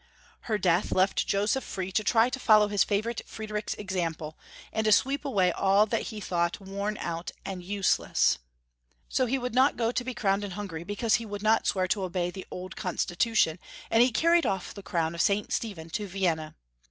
Her death left Joseph free to try to follow his favorite Friedrich's example, and to 9weep away all that he thought worn out and use JoBcph H. 421 less. So would not go to be crowned in Hungary because he would not swear to obey the old consti tution, and he carried off the crown of St. Stephen to Vienna.